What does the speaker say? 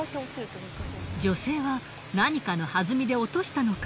女性は何かのはずみで落としたのか？